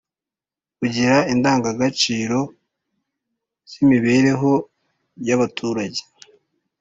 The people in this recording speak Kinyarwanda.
Kugira indangagaciro z’ imibereho y’ abaturage